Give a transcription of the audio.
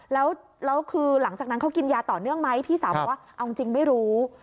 แล้วคือหลังจากนั้นเขากินยาต่อเนื่องไหมพี่สาวบอกว่าเอาจริงไม่รู้